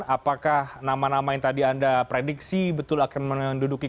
apakah nama nama yang tadi anda prediksi betul akan menduduki